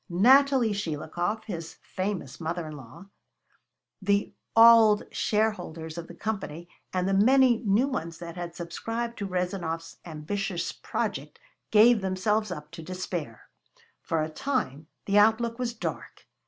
Natalie Shelikov, his famous mother in law, the old shareholders of the Company, and the many new ones that had subscribed to Rezanov's ambitious project, gave themselves up to despair. For a time the outlook was dark.